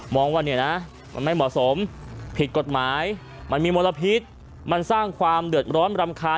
ว่าเนี่ยนะมันไม่เหมาะสมผิดกฎหมายมันมีมลพิษมันสร้างความเดือดร้อนรำคาญ